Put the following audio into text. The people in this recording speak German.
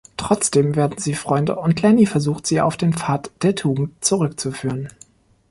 Trotzdem werden sie Freunde, und Lenny versucht sie auf den Pfad der Tugend zurückzuführen.